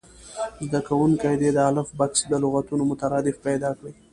زده کوونکي دې د الف بکس د لغتونو مترادف پیدا کړي.